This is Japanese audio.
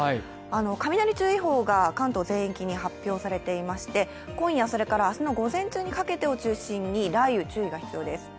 雷注意報が関東全域に発表されていまして、今夜、明日の午前中にかけてを中心に雷雨に注意が必要です。